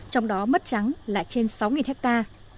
trong đó mất trắng là trên sáu hectare